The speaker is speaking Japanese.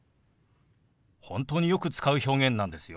本当によく使う表現なんですよ。